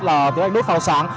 là đốt pháo sáng